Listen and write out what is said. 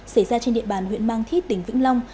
xảy ra trên địa bàn huyện mang thít tỉnh vĩnh long